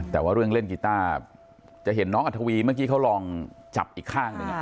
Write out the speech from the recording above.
แต่ว่าเรื่องเล่นกีต้าจะเห็นน้องอัธวีเมื่อกี้เขาลองจับอีกข้างหนึ่ง